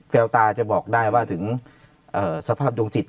แววตาจะบอกได้ว่าถึงสภาพดวงจิต